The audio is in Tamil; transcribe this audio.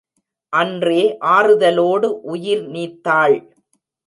அன்றே ஆறுதலோடு உயிர்நீத்தாள்.